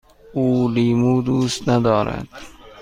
او لیمو دوست ندارد.